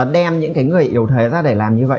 đem những người yếu thế ra để làm như vậy